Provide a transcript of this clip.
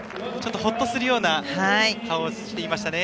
ほっとするような顔をしていましたね。